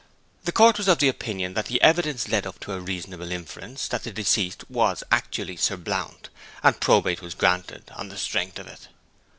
The court was of opinion that the evidence led up to a reasonable inference that the deceased was actually Sir Blount, and probate was granted on the strength of it.